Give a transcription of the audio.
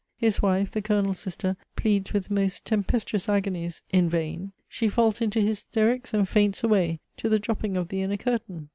His wife, the Colonel's sister, pleads with most tempestuous agonies in vain! She falls into hysterics and faints away, to the dropping of the inner curtain!